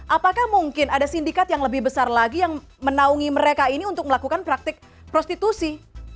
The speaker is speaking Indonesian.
apakah mungkin ada sindikat yang lebih besar lagi yang menaungi mereka ini untuk melakukan praktik prostitusi